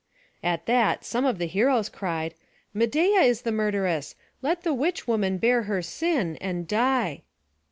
At that some of the heroes cried: "Medeia is the murderess. Let the witch woman bear her sin, and die!"